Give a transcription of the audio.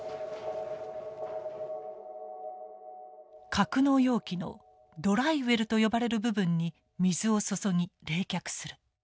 格納容器のドライウェルと呼ばれる部分に水を注ぎ冷却する。